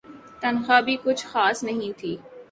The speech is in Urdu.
تنخواہ بھی کچھ خاص نہیں تھی ۔